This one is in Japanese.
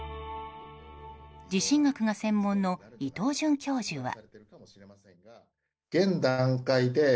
地震学が専門の伊藤准教授は。